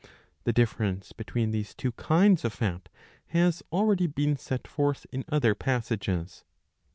The difference between these two kinds of fat has already been set forth in other passages.